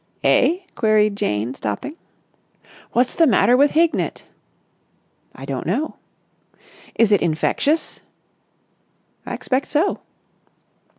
"Eh?" queried Jane, stopping. "What's the matter with Hignett?" "I don't know." "Is it infectious?" "I expect so."